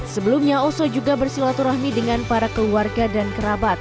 sebelumnya oso juga bersilaturahmi dengan para keluarga dan kerabat